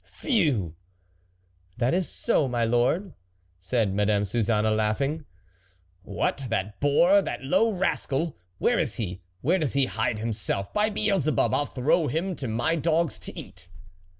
"Phew!" "That is so, my lord," said Madame Suzanne, laughing. "What! that boor, that low rascal! Where is he ? Where does he hide him self? By Beelzebub ! I'll throw him to my dogs to eat